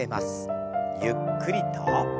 ゆっくりと。